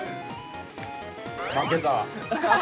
◆負けた。